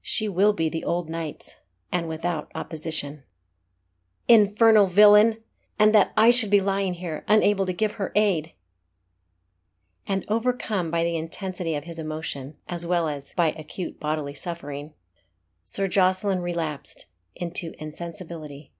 She will be the old knight's, and without opposition." "Infernal villain! and that I should be lying here, unable to give her aid!" And overcome by the intensity of his emotion, as well as by acute bodily suffering, Sir Jocelyn relapsed into insensibility.